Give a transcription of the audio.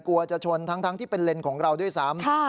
กลัวจะชนทั้งที่เป็นเลนส์ของเราด้วยซ้ำ